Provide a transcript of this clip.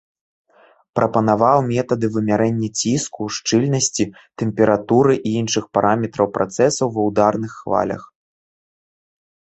Прапанаваў метады вымярэння ціску, шчыльнасці, тэмпературы і іншых параметраў працэсаў ва ўдарных хвалях.